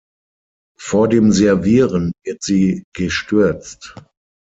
Vor dem Servieren wird sie gestürzt.